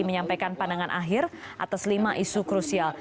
menyampaikan pandangan akhir atas lima isu krusial